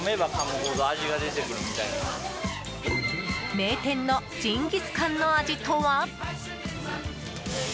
名店のジンギスカンの味とは。